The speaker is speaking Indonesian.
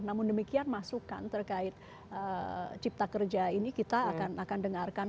namun demikian masukan terkait cipta kerja ini kita akan dengarkan